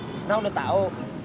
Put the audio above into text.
disini udah tau